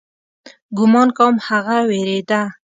ګومان کوم هغه وېرېده.